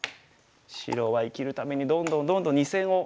白は生きるためにどんどんどんどん２線をハワなきゃいけない。